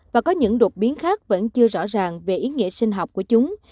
với những đột biến khác vẫn chưa rõ ràng về ý nghĩa sinh học của chúng